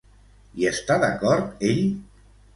Hi està d'acord ell?